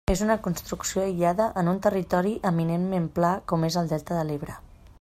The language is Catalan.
És una construcció aïllada en un territori eminentment pla com és el delta de l'Ebre.